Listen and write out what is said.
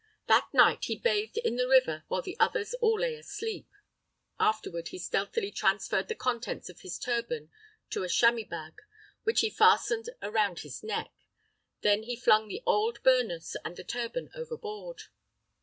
That night he bathed in the river while the others all lay asleep. Afterward he stealthily transferred the contents of his turban to a chamois bag, which he fastened around his neck. Then he flung the old burnous and the turban overboard.